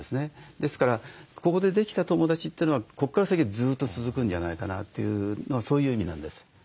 ですからここでできた友だちというのはここから先ずっと続くんじゃないかなというのはそういう意味なんです。